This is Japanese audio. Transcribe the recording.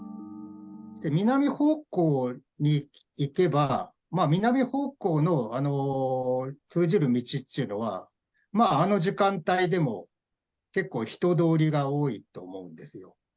南方向に行けば、南方向の通じる道っていうのは、あの時間帯でも結構人通りが多いと思うんですよ。